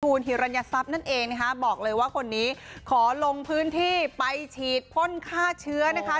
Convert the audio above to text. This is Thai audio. คุณฮิรัญทรัพย์นั่นเองนะคะบอกเลยว่าคนนี้ขอลงพื้นที่ไปฉีดพ่นฆ่าเชื้อนะคะ